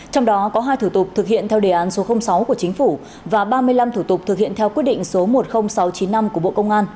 trong đó có hai thủ tục thực hiện theo đề án số sáu của chính phủ và ba mươi năm thủ tục thực hiện theo quyết định số một nghìn sáu mươi chín